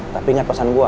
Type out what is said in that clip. tapi ingat pesan gue